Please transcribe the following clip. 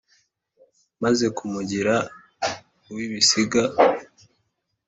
Maze kumugira uw'ibisiga